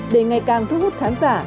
để ngày càng thu hút khán giả